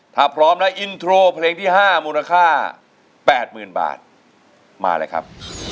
ถ้าพร้อมแล้วอินโทรเพลงที่๕มูลค่า๘๐๐๐บาทมาเลยครับ